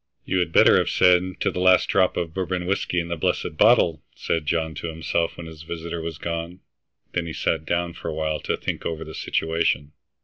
"You had better have said 'to the last drop of Bourbon whiskey in the blessed bottle!'" said John to himself when his visitor was gone. Then he sat down for a while to think over the situation.